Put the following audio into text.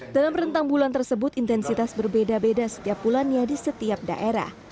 dalam rentang bulan tersebut intensitas berbeda beda setiap bulannya di setiap daerah